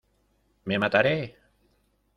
¡ me mataré!...